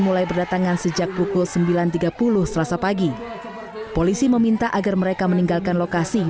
mulai berdatangan sejak pukul sembilan tiga puluh selasa pagi polisi meminta agar mereka meninggalkan lokasi